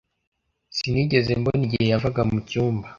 Sinigeze mbona igihe yavaga mucyumba.